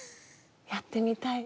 やってみたい。